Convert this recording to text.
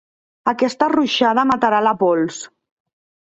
Aquesta ruixada matarà la pols.